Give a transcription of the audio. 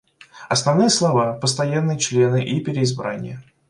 Основные слова — постоянные члены и переизбрание.